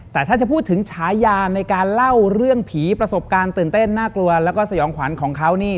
แต่ถ้าจะพูดถึงฉายาในการเล่าเรื่องผีประสบการณ์ตื่นเต้นน่ากลัวแล้วก็สยองขวัญของเขานี่